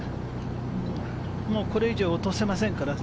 これ以上、落とせません